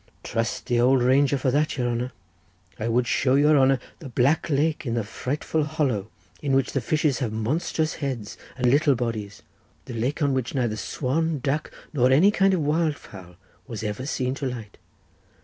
"Trust the old ranger for that, your honour. I would show your honour the black lake in the frightful hollow, in which the fishes have monstrous heads and little bodies, the lake on which neither swan, duck nor any kind of wildfowl was ever seen to light.